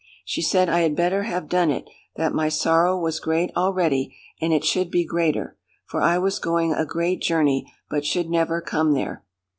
She said I had better have done it; that my sorrow was great already, and it should be greater; for I was going a great journey, but should never come there.